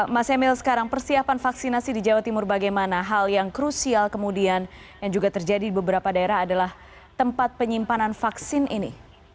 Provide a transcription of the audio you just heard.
mas emil sekarang persiapan vaksinasi di jawa timur bagaimana hal yang krusial kemudian yang juga terjadi di beberapa daerah adalah tempat penyimpanan vaksin ini